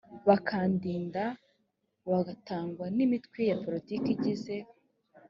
bakandida batangwa n imitwe ya politiki igize